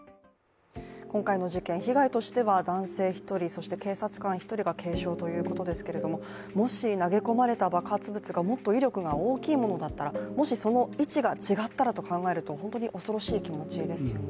今回の事件、被害としては男性１人、そして警察官１人が軽傷ということですけれどももし投げ込まれた爆発物がもっと威力が大きいものだったらもしその位置が違ったらと考えると本当に恐ろしい気持ちですよね。